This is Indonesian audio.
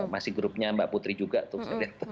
masih grupnya mbak putri juga tuh